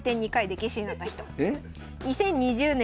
２０２０年？